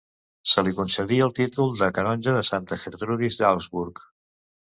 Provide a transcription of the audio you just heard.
Se li concedí el títol de canonge de Santa Gertrudis d'Augsburg.